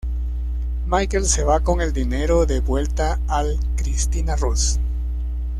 Michael se va con el dinero de vuelta al Christina Rose.